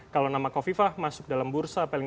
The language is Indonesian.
kalau nama kofifah masuk dalam bursa paling